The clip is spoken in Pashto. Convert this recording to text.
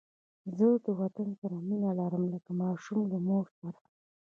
زه د وطن سره مینه لرم لکه ماشوم له مور سره